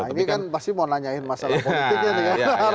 ini kan pasti mau nanyain masalah politik